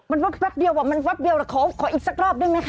มันวับเดียวอะมันวับเดียวขออีกสักรอบด้วยนะคะ